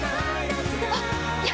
あっいや。